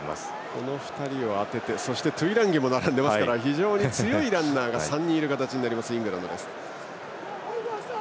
その２人を当ててトゥイランギも並んでますから非常に強いランナーが３人いる形になるイングランド。